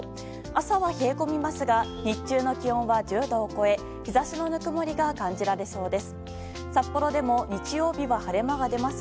朝は冷え込みますが日中の気温は１０度を超え日差しのぬくもりが感じられそうです。